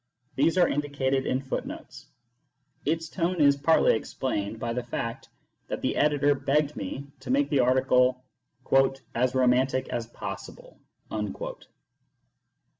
These are indicated in footnotes. Its tone is partly explained by the fact that the editor begged me to make the article " as romantic as possible."